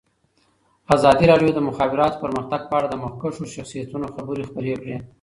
ازادي راډیو د د مخابراتو پرمختګ په اړه د مخکښو شخصیتونو خبرې خپرې کړي.